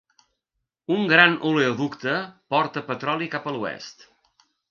Un gran oleoducte porta petroli cap a l'oest.